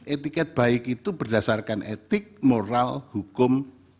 etiket baik itu berdasarkan etik moral hukum